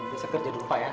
bisa kerja dulu pak ya